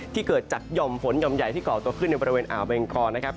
เกิดจากหย่อมฝนหย่อมใหญ่ที่เกาะตัวขึ้นในบริเวณอ่าวเบงคอนะครับ